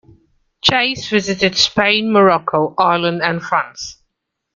"Chase" visited Spain, Morocco, Ireland, and France.